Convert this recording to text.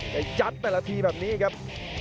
แต่ยัดแต่ละทีแบบนี้ครับ